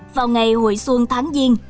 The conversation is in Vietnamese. vào ngày hồi xuân tháng diên